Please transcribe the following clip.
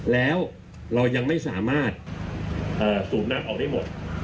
แล้วเรายังไม่สามารถสูบน้ำออกได้หมด